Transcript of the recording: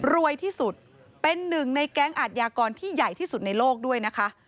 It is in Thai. รวยที่สุดเป็นหนึ่งในแก๊งอาทยากรที่ใหญ่ที่สุดในโลกด้วยนะคะ